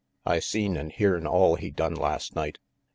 "I seen and hearn all he done last night.